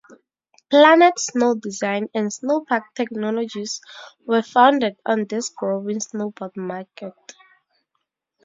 Planet Snow Design and Snow Park Technologies were founded on this growing snowboard market.